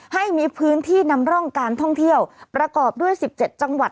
ให้มีพื้นที่นำร่องการท่องเที่ยวประกอบด้วย๑๗จังหวัด